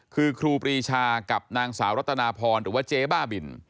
คือครูปรีชากับนางสาวรัตนาพรหรือว่าเจ๊บ้าบิน